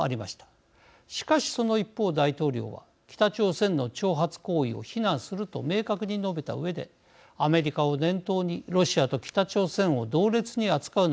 しかしその一方大統領は北朝鮮の挑発行為を非難すると明確に述べたうえでアメリカを念頭にロシアと北朝鮮を同列に扱うなと述べました。